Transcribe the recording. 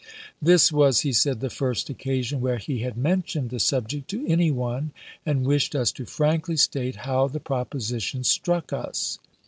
This was, he said, the first occasion where he had men tioned the subject to any one, and wished us to frankly state how the proposition struck us.